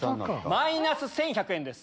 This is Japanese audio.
マイナス１１００円です。